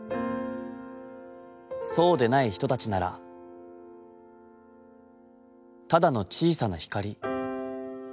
そうでない人たちなら、ただの小さな光。